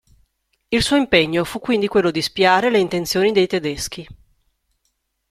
Il suo impegno fu quindi quello di spiare le intenzioni dei tedeschi.